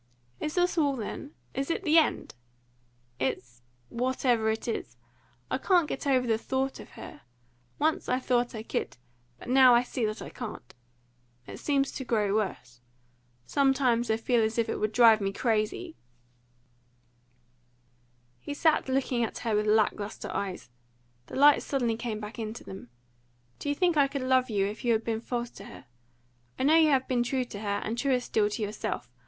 "Is this all, then? Is it the end?" "It's whatever it is. I can't get over the thought of her. Once I thought I could, but now I see that I can't. It seems to grow worse. Sometimes I feel as if it would drive me crazy." He sat looking at her with lacklustre eyes. The light suddenly came back into them. "Do you think I could love you if you had been false to her? I know you have been true to her, and truer still to yourself.